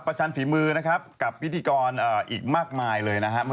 พระอาจารย์ฝีมือกับวิธีกรอีกมากมายเลยนะฮะ